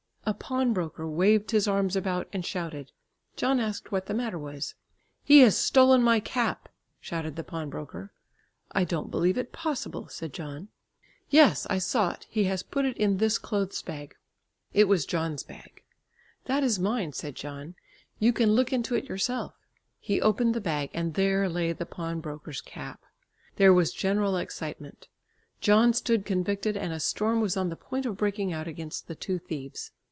A pawnbroker waved his arms about and shouted. John asked what the matter was. "He has stolen my cap," shouted the pawnbroker. "I don't believe it possible," said John. "Yes, I saw it; he has put it in this clothes bag." It was John's bag. "That is mine," said John. "You can look into it yourself." He opened the bag and there lay the pawnbroker's cap! There was general excitement. John stood convicted and a storm was on the point of breaking out against the two thieves.